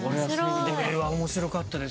これは面白かったですね。